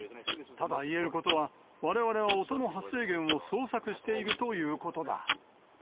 ただ、言えることは、われわれは音の発生源を捜索しているということだ。